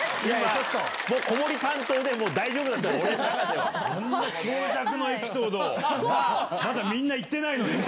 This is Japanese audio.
ちょっと、もう子守り担当でもう大丈夫なんだね。